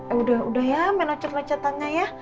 eh udah udah ya main loncat loncatannya ya